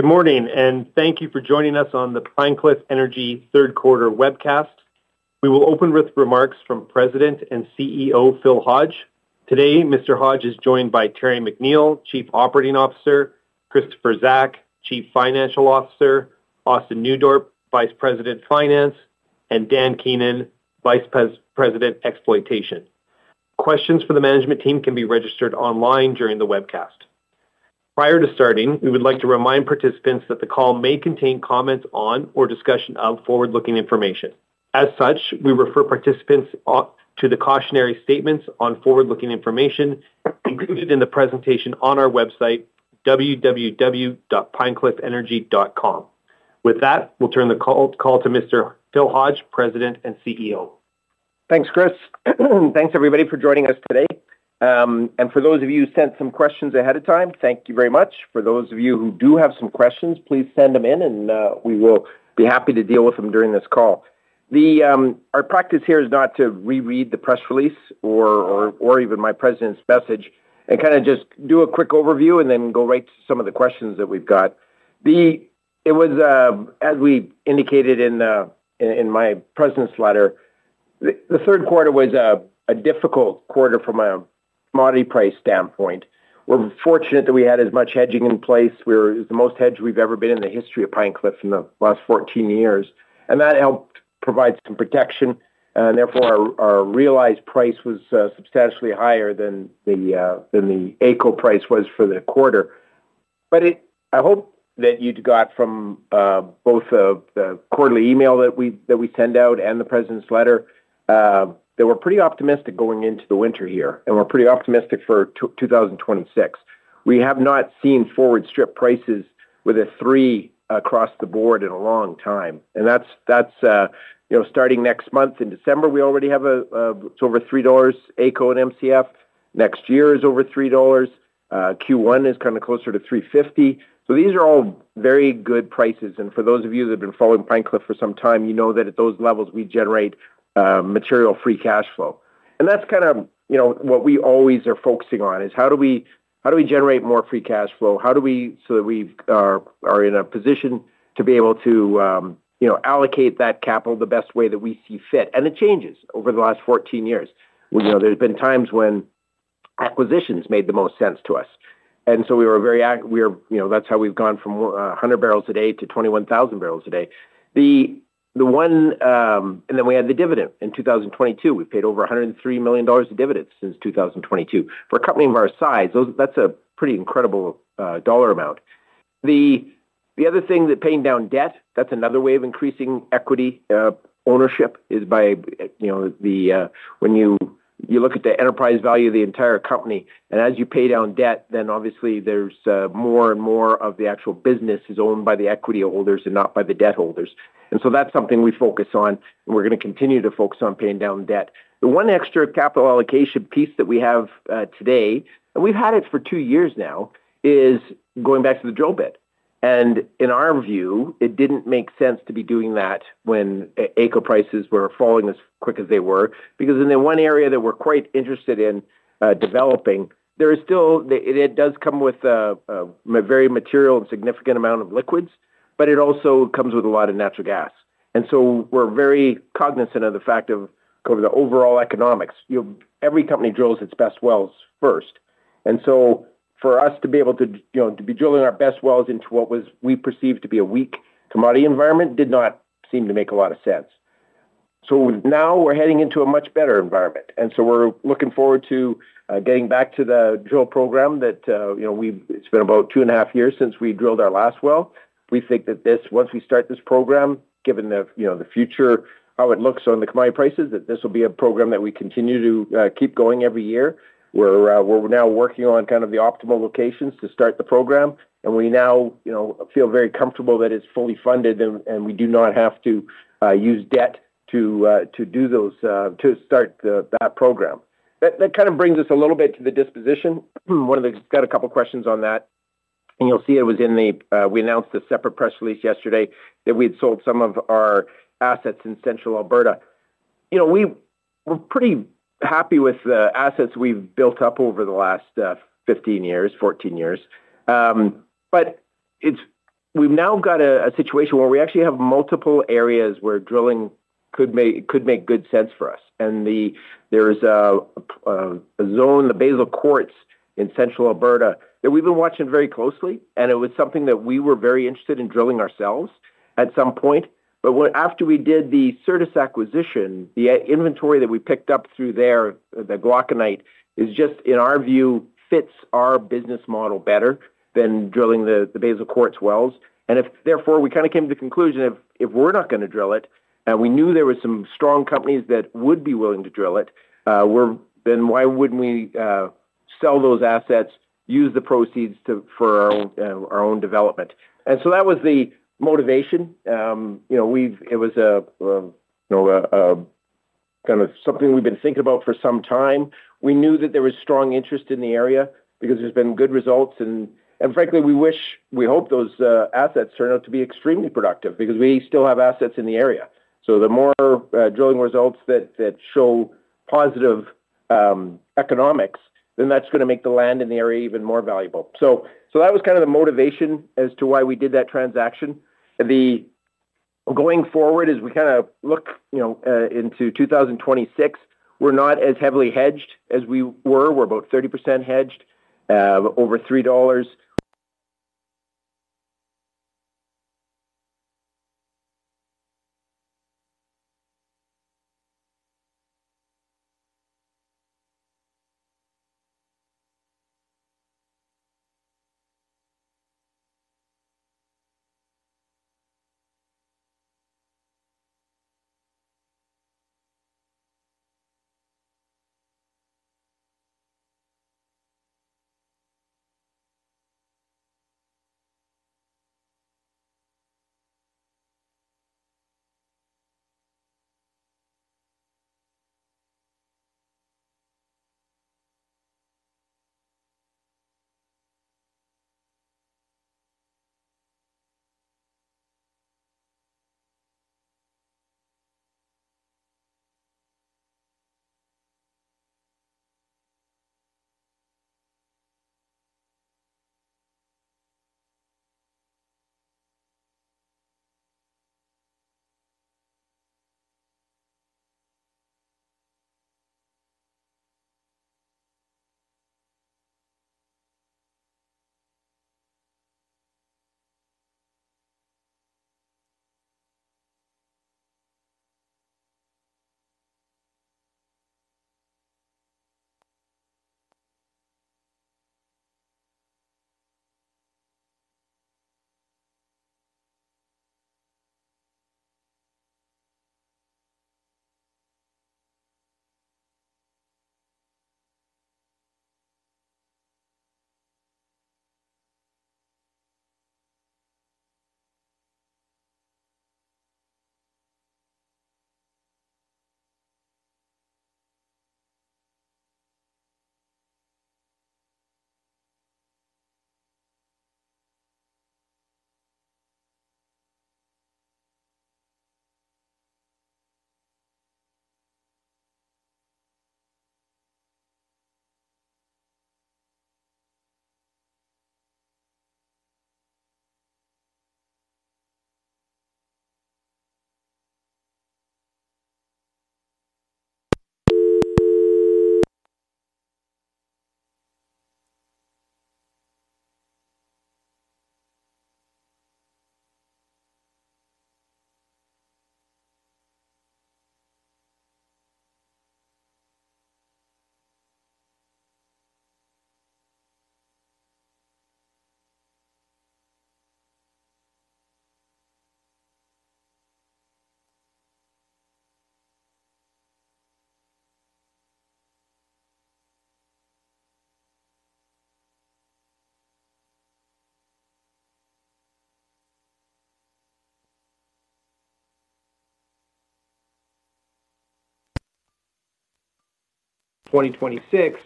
Good morning, and thank you for joining us on the Pine Cliff Energy Third-Quarter Webcast. We will open with remarks from President and CEO Phil Hodge. Today, Mr. Hodge is joined by Terry McNeill, Chief Operating Officer; Kristopher Zack, Chief Financial Officer; Austin Nieuwdorp, Vice President Finance; and Dan Keenan, Vice President Exploitation. Questions for the management team can be registered online during the webcast. Prior to starting, we would like to remind participants that the call may contain comments on or discussion of forward-looking information. As such, we refer participants to the cautionary statements on forward-looking information included in the presentation on our website, www.pinecliffenergy.com. With that, we'll turn the call to Mr. Phil Hodge, President and CEO. Thanks, Kris. Thanks, everybody, for joining us today. For those of you who sent some questions ahead of time, thank you very much. For those of you who do have some questions, please send them in, and we will be happy to deal with them during this call. Our practice here is not to reread the press release or even my President's message, and kind of just do a quick overview and then go right to some of the questions that we've got. As we indicated in my President's letter, the third quarter was a difficult quarter from a commodity price standpoint. We're fortunate that we had as much hedging in place. It was the most hedged we've ever been in the history of Pine Cliff in the last 14 years. That helped provide some protection, and therefore our realized price was substantially higher than the. AECO price was for the quarter. I hope that you got from both the quarterly email that we send out and the President's letter that we're pretty optimistic going into the winter here, and we're pretty optimistic for 2026. We have not seen forward-strip prices with a three across the board in a long time. That is starting next month in December, we already have over $3 AECO and MCF. Next year is over $3. Q1 is kind of closer to $3.50. These are all very good prices. For those of you that have been following Pine Cliff for some time, you know that at those levels we generate material Free Cash Flow. That is kind of what we always are focusing on, is how do we generate more Free Cash Flow so that we are in a position to be able to. Allocate that capital the best way that we see fit. It changes over the last 14 years. There have been times when acquisitions made the most sense to us. We were very—that's how we've gone from 100 barrels a day to 21,000 barrels a day. We had the dividend. In 2022, we paid over $103 million in dividends since 2022. For a company of our size, that's a pretty incredible dollar amount. The other thing that paying down debt—that's another way of increasing equity ownership—is by, when you look at the enterprise value of the entire company, and as you pay down debt, then obviously there's more and more of the actual business that is owned by the equity holders and not by the debt holders. That's something we focus on, and we're going to continue to focus on paying down debt. The one extra capital allocation piece that we have today, and we've had it for two years now, is going back to the drill bit. In our view, it didn't make sense to be doing that when AECO prices were falling as quick as they were, because in the one area that we're quite interested in developing, there is still—it does come with a very material and significant amount of liquids, but it also comes with a lot of natural gas. We are very cognizant of the fact of the overall economics. Every company drills its best wells first. For us to be able to be drilling our best wells into what we perceived to be a weak commodity environment did not seem to make a lot of sense. Now we're heading into a much better environment. We're looking forward to getting back to the Drill Program that we've—it's been about two and a half years since we drilled our last well. We think that once we start this program, given the future, how it looks on the commodity prices, that this will be a program that we continue to keep going every year. We're now working on kind of the optimal locations to start the program. We now feel very comfortable that it's fully funded, and we do not have to use debt to do those—to start that program. That kind of brings us a little bit to the disposition. I've got a couple of questions on that. You'll see it was in the—we announced a separate press release yesterday that we had sold some of our assets in Central Alberta. We're pretty happy with the assets we've built up over the last 15 years, 14 years. We've now got a situation where we actually have multiple areas where drilling could make good sense for us. There's a zone, the Basal Courts in Central Alberta, that we've been watching very closely. It was something that we were very interested in drilling ourselves at some point. After we did the Certus Acquisition, the inventory that we picked up through there, the Glauconite, is just, in our view, fits our business model better than drilling the Basal Courts Wells. Therefore, we kind of came to the conclusion if we're not going to drill it, and we knew there were some strong companies that would be willing to drill it, then why wouldn't we sell those assets, use the proceeds for our own development? That was the motivation. It was kind of something we've been thinking about for some time. We knew that there was strong interest in the area because there's been good results. Frankly, we hope those assets turn out to be extremely productive because we still have assets in the area. The more drilling results that show positive economics, then that's going to make the land in the area even more valuable. That was kind of the motivation as to why we did that transaction. Going forward, as we kind of look into 2026, we're not as heavily hedged as we were. We're about 30% hedged, over $3, 2026.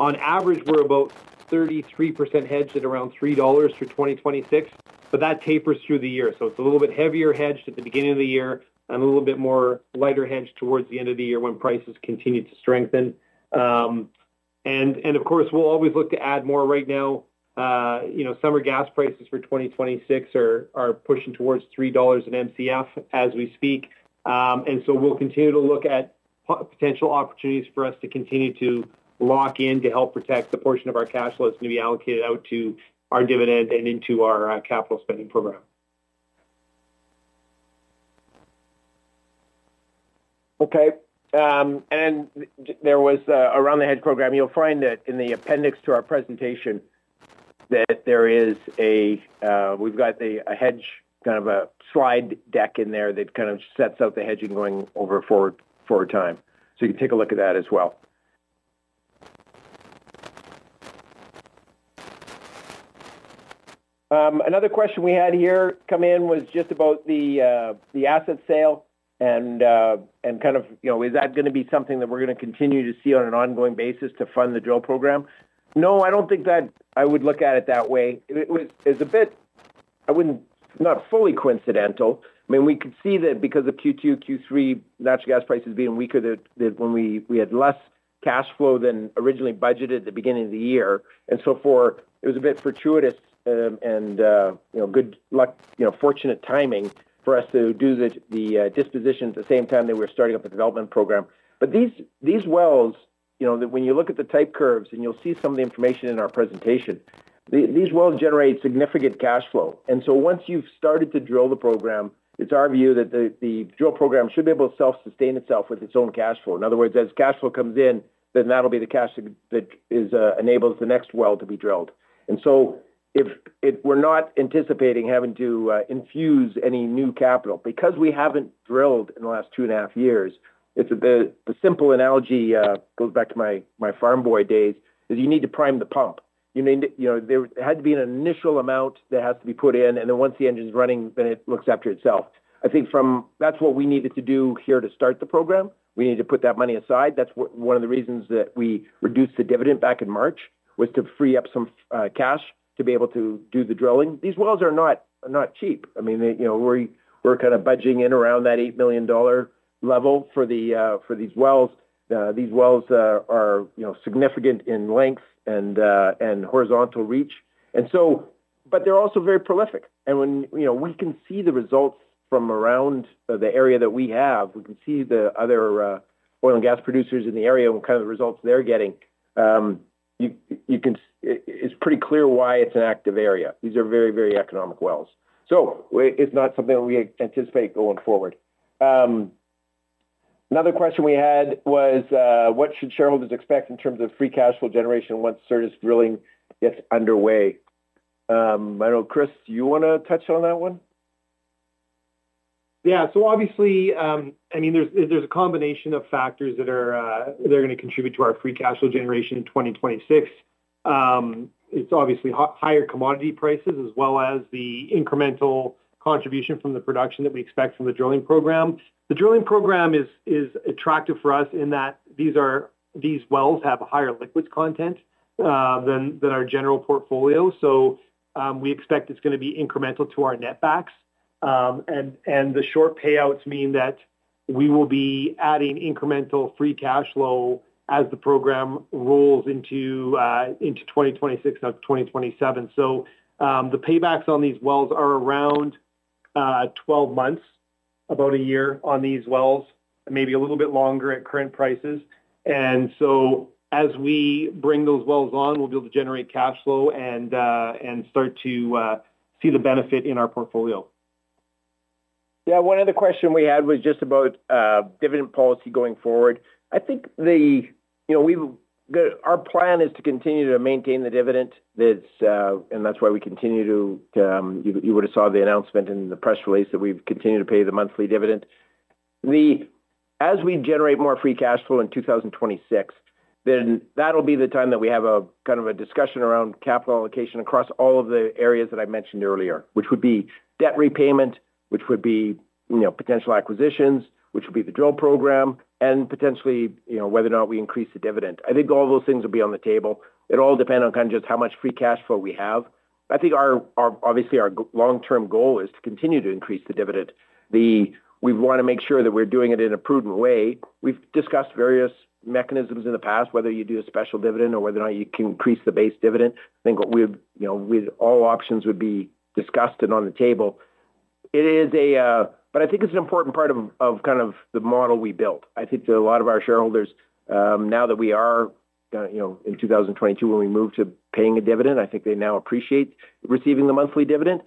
On average, we're about 33% hedged at around $3 for 2026, but that tapers through the year. It is a little bit heavier hedged at the beginning of the year and a little bit more lighter hedged towards the end of the year when prices continue to strengthen. Of course, we will always look to add more. Right now, summer gas prices for 2026 are pushing towards $3 in MCF as we speak. We will continue to look at potential opportunities for us to continue to lock in to help protect the portion of our cash flow that is going to be allocated out to our dividend and into our Capital Spending Program. Okay. There was around the Hedge Program, you will find that in the appendix to our presentation that there is a—we have got a Hedge kind of a slide deck in there that kind of sets out the hedging going over forward time. You can take a look at that as well. Another question we had here come in was just about the asset sale and kind of is that going to be something that we're going to continue to see on an ongoing basis to fund the Drill Program? No, I don't think that I would look at it that way. It was a bit—it's not fully coincidental. I mean, we could see that because of Q2, Q3, natural gas prices being weaker, that we had less cash flow than originally budgeted at the beginning of the year. It was a bit fortuitous and good luck, fortunate timing for us to do the disposition at the same time that we were starting up the Development Program. These wells, when you look at the type curves and you'll see some of the information in our presentation, these wells generate significant cash flow. Once you've started to drill the program, it's our view that the Drill Program should be able to self-sustain itself with its own cash flow. In other words, as cash flow comes in, that'll be the cash that enables the next well to be drilled. We're not anticipating having to infuse any new capital because we haven't drilled in the last two and a half years. The simple analogy goes back to my farm boy days: you need to prime the pump. There had to be an initial amount that has to be put in, and then once the engine's running, it looks after itself. I think that's what we needed to do here to start the program. We need to put that money aside. That's one of the reasons that we reduced the dividend back in March was to free up some cash to be able to do the drilling. These wells are not cheap. I mean, we're kind of budging in around that $8 million level for these wells. These wells are significant in length and horizontal reach. They are also very prolific. When we can see the results from around the area that we have, we can see the other oil and gas producers in the area and kind of the results they're getting. It's pretty clear why it's an active area. These are very, very economic wells. It is not something that we anticipate going forward. Another question we had was, what should shareholders expect in terms of Free Cash Flow generation once Certus Drilling gets underway? I don't know, Kris, do you want to touch on that one? Yeah. Obviously, I mean, there's a combination of factors that are going to contribute to our Free Cash Flow generation in 2026. It's obviously higher commodity prices as well as the incremental contribution from the production that we expect from the Drilling Program. The Drilling Program is attractive for us in that these wells have a higher liquids content than our general portfolio. We expect it's going to be incremental to our netbacks. The short paybacks mean that we will be adding incremental Free Cash Flow as the program rolls into 2026 and 2027. The paybacks on these wells are around 12 months, about a year on these wells, maybe a little bit longer at current prices. As we bring those wells on, we'll be able to generate cash flow and start to see the benefit in our portfolio. Yeah. One other question we had was just about dividend policy going forward. I think our plan is to continue to maintain the dividend, and that's why we continue to—you would have saw the announcement in the press release that we've continued to pay the monthly dividend. As we generate more Free Cash Flow in 2026, then that'll be the time that we have kind of a discussion around capital allocation across all of the areas that I mentioned earlier, which would be debt repayment, which would be potential acquisitions, which would be the Drill Program, and potentially whether or not we increase the dividend. I think all those things will be on the table. It'll all depend on kind of just how much Free Cash Flow we have. I think obviously our long-term goal is to continue to increase the dividend. We want to make sure that we're doing it in a prudent way. We've discussed various mechanisms in the past, whether you do a special dividend or whether or not you can increase the base dividend. I think all options would be discussed and on the table. I think it's an important part of kind of the model we built. I think a lot of our shareholders, now that we are in 2022, when we moved to paying a dividend, I think they now appreciate receiving the monthly dividend.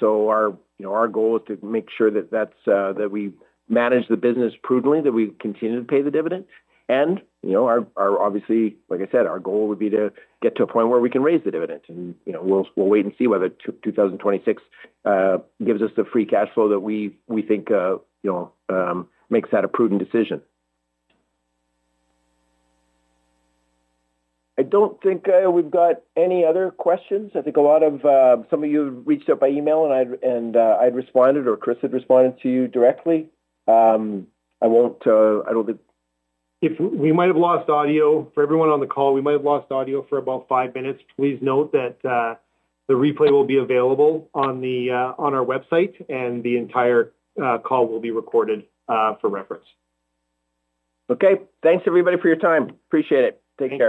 Our goal is to make sure that we manage the business prudently, that we continue to pay the dividend. Obviously, like I said, our goal would be to get to a point where we can raise the dividend. We'll wait and see whether 2026 gives us the Free Cash Flow that we think. Makes that a prudent decision. I don't think we've got any other questions. I think a lot of some of you have reached out by email, and I'd responded, or Chris had responded to you directly. I don't think. We might have lost audio. For everyone on the call, we might have lost audio for about five minutes. Please note that. The replay will be available on our website, and the entire call will be recorded for reference. Okay. Thanks, everybody, for your time. Appreciate it. Take care.